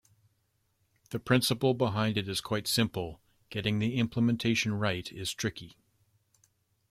The principle behind it is quite simple; getting the implementation right is tricky.